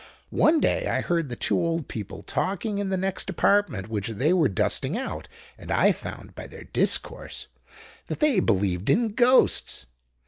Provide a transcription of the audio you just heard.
One day I heard the two old people talking in the next apartment, which they were dusting out; and I found, by their discourse, that they believed in ghosts.